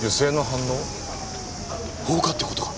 放火って事か？